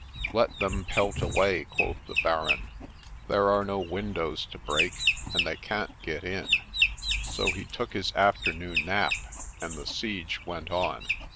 ' Let them pelt away," quoth the Baron :' there are no win dows to break, and they can't get in.' So he took his afternoon nap, and the siege went on.